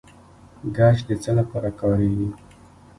ګچ د څه لپاره کاریږي؟